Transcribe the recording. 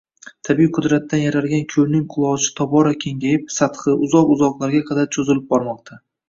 Tabiiy qudratdan yaralgan koʻlning qulochi tobora kengayib, sathi, uzoq-uzoqlarga qadar choʻzilib bormoqda